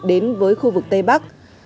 đến với khu vực tây bắc